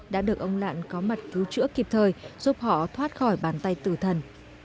đã được ông lạn có mặt cứu chữa kịp thời giúp họ thoát khỏi bàn tay tử thần